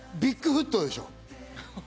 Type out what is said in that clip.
ビックフットでしょ！